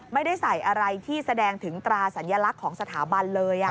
ไม่ได้ใส่อะไรที่แสดงถึงตราสัญลักษณ์ของสถาบันเลย